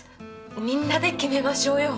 みんなで決めましょうよ。